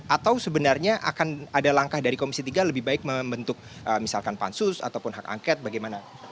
atau sebenarnya akan ada langkah dari komisi tiga lebih baik membentuk misalkan pansus ataupun hak angket bagaimana